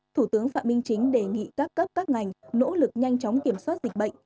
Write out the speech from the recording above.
thủ tướng phạm minh chính đề nghị các cấp các ngành nỗ lực nhanh chóng kiểm soát dịch bệnh